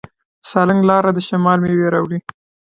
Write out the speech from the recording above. د سالنګ لاره د شمال میوې راوړي.